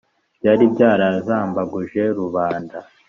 byari byarazambaguje rubanda